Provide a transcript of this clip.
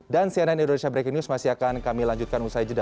dan cnn indonesia breaking news masih akan kami lanjutkan usai jeda